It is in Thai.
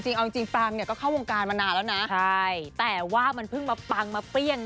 คุณผู้ชมค่ะช่วงนี้อยากจะนั่งพับเพียบคุณผู้ชมค่ะช่วงนี้อยากจะนั่งพับเพียบ